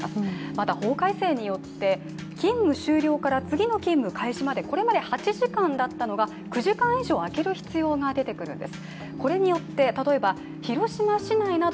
また法改正によって勤務終了から次の勤務開始まで、これまで８時間だったのが９時間以上あける必要が出てくるんです。